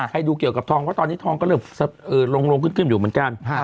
ดูเกี่ยวกับทองเพราะตอนนี้ทองก็เริ่มลงขึ้นอยู่เหมือนกัน